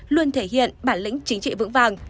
luôn thể hiện bản lĩnh chính trị vững vàng